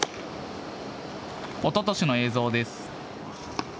おととしの映像です。